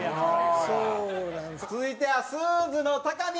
続いてはスーズの高見！